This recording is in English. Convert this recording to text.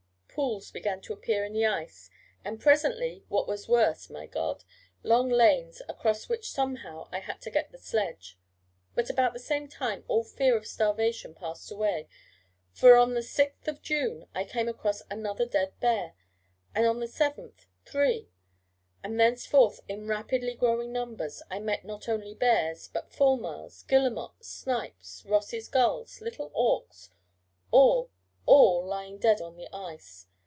Pools began to appear in the ice, and presently, what was worse, my God, long lanes, across which, somehow, I had to get the sledge. But about the same time all fear of starvation passed away: for on the 6th June I came across another dead bear, on the 7th three, and thenceforth, in rapidly growing numbers, I met not bears only, but fulmars, guillemots, snipes, Ross's gulls, little awks all, all, lying dead on the ice.